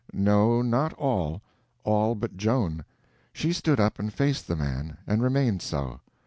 No, not all; all but Joan. She stood up and faced the man, and remained so.